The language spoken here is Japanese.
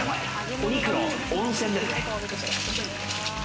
お肉の温泉です。